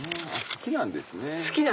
好きなんですね。